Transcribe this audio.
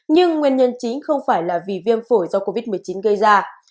nhưng nguyên nhân chính không phải là vì viêm phổi do covid một mươi chín gây ra